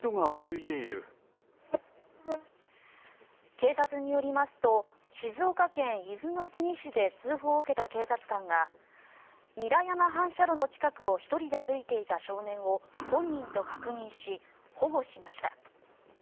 警察によりますと静岡県伊豆の国市で通報を受けた警察官が韮山反射炉の近くを１人で歩いていた少年を本人と確認し保護しました。